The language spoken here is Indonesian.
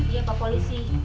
iya pak polisi